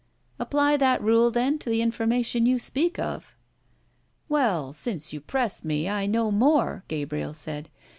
"Apply that rule then to the information you speak of." "Well, since you press me, I know more," Gabriel said.